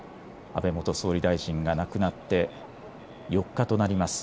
安倍元総理大臣が亡くなって４日となります